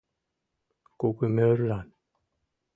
— Кугымӧрлан!